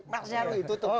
mas nyaru itu tuh